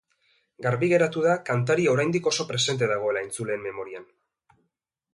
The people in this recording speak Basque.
Garbi geratu da kantaria oraindik oso presente dagoela entzuleen memorian.